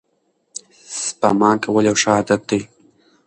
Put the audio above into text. سپما کول یو ښه عادت دی.